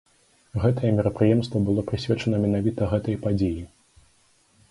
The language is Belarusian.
Гэтае мерапрыемства было прысвечана менавіта гэтай падзеі.